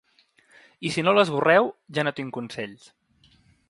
I si no l’esborreu, ja no tinc consells.